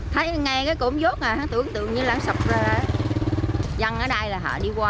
thấy nghe cái cổng giốt à tưởng tượng như là sập dân ở đây là họ đi qua